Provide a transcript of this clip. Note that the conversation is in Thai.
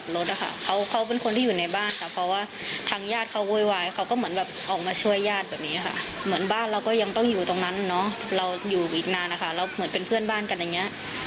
เราเป็นเพื่อนบ้านกันอย่างนี้